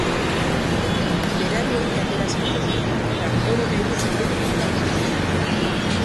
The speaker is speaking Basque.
Berari ongi atera zaio, eta hori nahi du zabaldu jendartean.